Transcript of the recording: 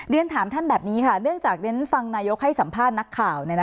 เรียนถามท่านแบบนี้ค่ะเนื่องจากเรียนฟังนายกให้สัมภาษณ์นักข่าว